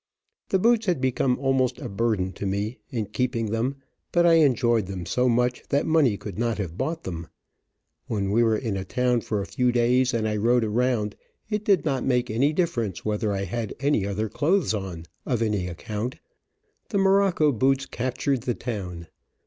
The boots had become almost a burden to me, in keeping them, but I enjoyed them so much that money could not have bought them. When we were in a town for a few days, and I rode around, it did not make any difference whether I had any other clothes on, of any account, the morocco boots captured the town.